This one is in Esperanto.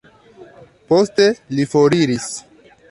Poste li foriris.